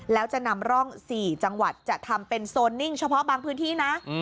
แล้วจะนำร่อง๔จังหวัดจะทำเป็นโซนนิ่งเฉพาะบางพื้นที่นะ